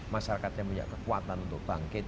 masyarakatnya punya kekuatan untuk bangkit